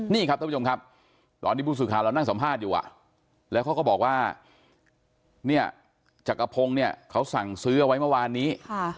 นี่ครับท่านผู้ชมครับตอนที่ผู้สื่อข่าวเรานั่งสัมภาษณ์อยู่แล้วเขาก็บอกว่าเนี่ยจักรพงศ์เนี่ยเขาสั่งซื้อเอาไว้เมื่อวานนี้